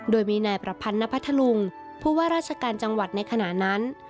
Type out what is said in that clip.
โดยมีนายประพันธ์นพัทธลุงผู้ว่าราชการจังหวัดในขณะนั้น